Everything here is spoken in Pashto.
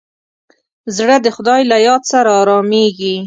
زړه د خدای له یاد سره ارامېږي.